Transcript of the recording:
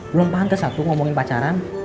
belum pantes satu ngomongin pacaran